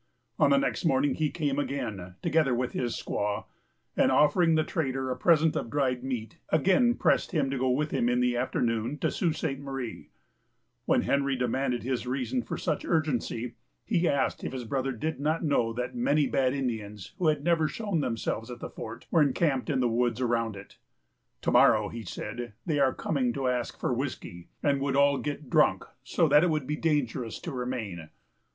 On the next morning he came again, together with his squaw, and, offering the trader a present of dried meat, again pressed him to go with him, in the afternoon, to the Sault Ste. Marie. When Henry demanded his reason for such urgency, he asked if his brother did not know that many bad Indians, who had never shown themselves at the fort, were encamped in the woods around it. To morrow, he said, they are coming to ask for whiskey, and would all get drunk, so that it would be dangerous to remain.